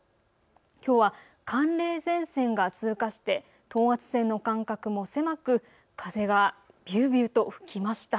きょうは寒冷前線が通過して等圧線の間隔も狭く風がびゅーびゅーと吹きました。